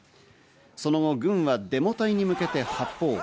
その後、軍はデモ隊に向けて発砲。